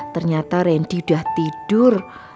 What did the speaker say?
ternyata randy udah tidur